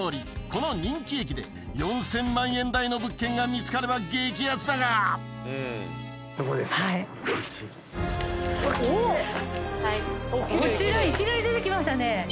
この人気駅で４０００万円台の物件が見つかれば激アツだがこちらいきなり出てきましたね